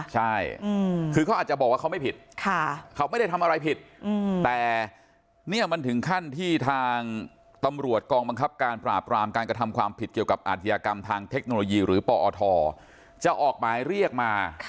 ใช่คือเขาอาจจะบอกว่าเขาไม่ผิดเขาไม่ได้ทำอะไรผิดแต่เนี่ยมันถึงขั้นที่ทางตำรวจกองบังคับการปราบรามการกระทำความผิดเกี่ยวกับอาชญากรรมทางเทคโนโลยีหรือปอทจะออกหมายเรียกมา